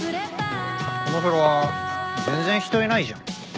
このフロア全然人いないじゃん。